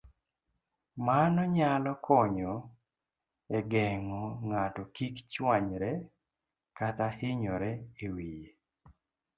Mano nyalo konyo e geng'o ng'ato kik chwanyre kata hinyore e wiye.